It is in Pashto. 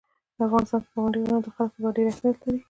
په افغانستان کې پابندي غرونه د خلکو لپاره ډېر اهمیت لري.